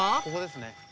ここですね。